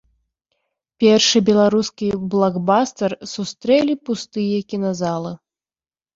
Першы беларускі блакбастар сустрэлі пустыя кіназалы.